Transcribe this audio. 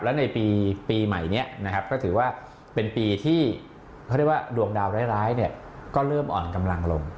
แล้วในปีใหม่นี้นะครับก็ถือว่าเป็นปีที่เขาเรียกว่าดวงดาวร้ายก็เริ่มอ่อนกำลังลง